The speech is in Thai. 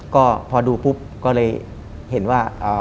ก็พอดูปุ๊บก็เลยเห็นว่า